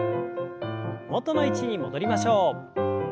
元の位置に戻りましょう。